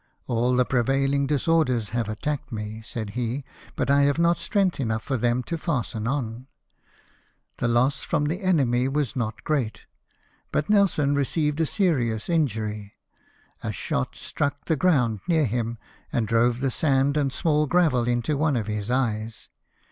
"All the prevailing dis orders have attacked me," said he, " bnt I have not strength enough for them to fasten on." The loss from the enemy was not great ; but Nelson received a serious injury — a shot struck the ground near him, and drove the sand and small gravel into one of his eyes.